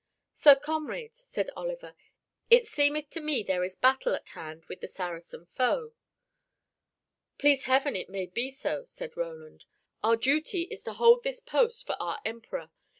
"Sir Comrade," said Oliver, "it seemeth me there is battle at hand with the Saracen foe." "Please Heaven it may be so," said Roland. "Our duty is to hold this post for our Emperor.